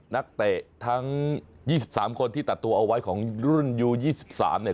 นักเตะทั้งยี่สิบสามคนที่ตัดตัวเอาไว้ของรุ่นยูยี่สิบสามเนี่ย